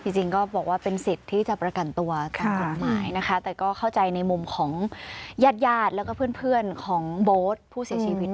จริงก็บอกว่าเป็นสิทธิ์ที่จะประกันตัวตามกฎหมายนะคะแต่ก็เข้าใจในมุมของญาติญาติแล้วก็เพื่อนของโบ๊ทผู้เสียชีวิต